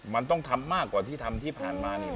มันต้องทำมากกว่าที่ทำที่ผ่านมานี่